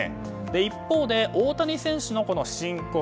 一方で、大谷選手の申告。